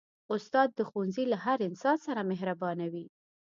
استاد د ښوونځي له هر انسان سره مهربانه وي.